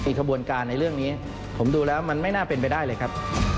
ขบวนการในเรื่องนี้ผมดูแล้วมันไม่น่าเป็นไปได้เลยครับ